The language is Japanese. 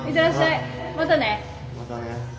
またね。